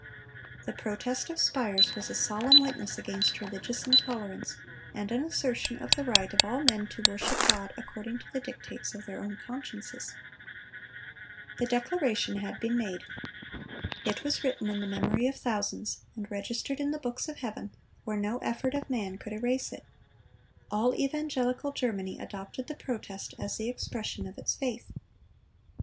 The Protest of Spires was a solemn witness against religious intolerance, and an assertion of the right of all men to worship God according to the dictates of their own consciences. The declaration had been made. It was written in the memory of thousands, and registered in the books of heaven, where no effort of man could erase it. All evangelical Germany adopted the Protest as the expression of its faith.